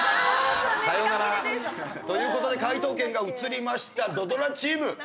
ということで解答権が移りました土ドラチーム！